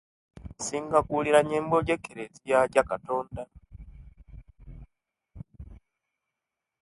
Insinga kuyurira nyembo jekerezia ja katonda